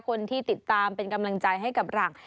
คนที่ติดตามเป็นกำลังใจให้กับหลัง